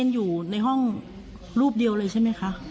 อยู่ในห้องรูปเดียวเลยใช่ไหมคะ